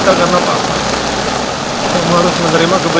bukan kesalahan papa kamu harus menanggung pak ibad